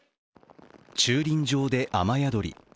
駐輪場で雨宿り。